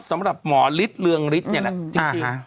สำหรับหมอฤทธิ์เรืองฤทธิ์เนี่ยแหละจริง